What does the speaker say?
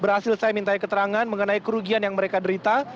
berhasil saya minta keterangan mengenai kerugian yang mereka derita